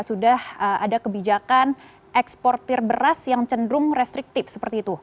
sudah ada kebijakan eksportir beras yang cenderung restriktif seperti itu